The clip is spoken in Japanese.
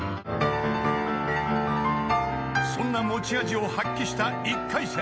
［そんな持ち味を発揮した１回戦。